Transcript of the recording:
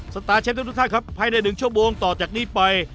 สตาร์เชฟทุกท่านครับภายใน๑ชั่วโมงต่อจากนี้ไป